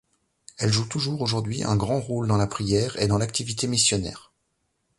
Elle joue toujours aujourd'hui un grand rôle dans la prière et dans l'activité missionnaire.